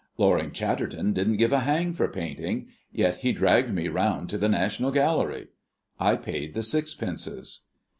Loring Chatterton didn't give a hang for painting, yet he dragged me round to the National Gallery. I paid the sixpences."